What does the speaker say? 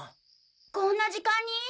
こんな時間に？